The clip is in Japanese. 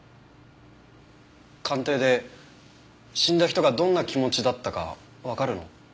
鑑定で死んだ人がどんな気持ちだったかわかるの？